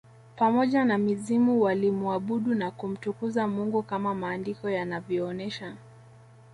Pamoja na mizimu walimuabudu na kumtukuza Mungu kama maandiko yanavyoonesha